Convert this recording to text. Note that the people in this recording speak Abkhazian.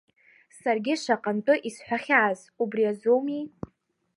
Саргьы шаҟантәы исҳәахьааз, убри азоуми…